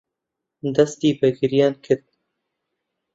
دەستی بە گریان کرد.